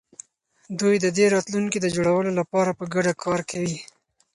دوی د دې راتلونکي د جوړولو لپاره په ګډه کار کوي.